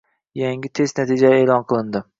Yangi test natijalari e’lon qilindi